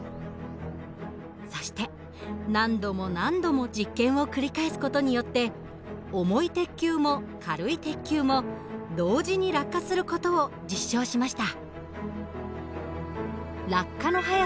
そして何度も何度も実験を繰り返す事によって重い鉄球も軽い鉄球も同時に落下する事を実証しました。